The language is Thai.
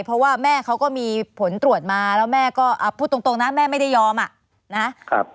เพราะว่าแม่เขาก็มีผลตรวจมาแล้วแม่ก็พูดตรงนะแม่ไม่ได้ยอมอ่ะนะครับ